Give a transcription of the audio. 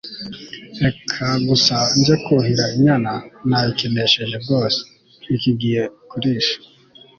reka gusa njye kuhira inyana, nayikenesheje rwose, ntikigiye kurisha